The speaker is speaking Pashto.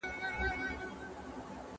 ¬ بې وخته مېلمه ئې د خپله بخته خوري.